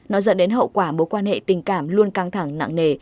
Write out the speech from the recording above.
nó dẫn đến hậu quả mối quan hệ tình cảm luôn căng thẳng nặng nề